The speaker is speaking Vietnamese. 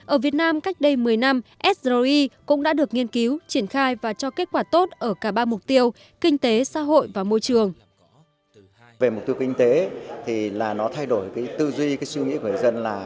ở việt nam cách đây một mươi năm sri cũng đã được nghiên cứu triển khai và cho kết quả tốt ở cả ba mục tiêu kinh tế xã hội và môi trường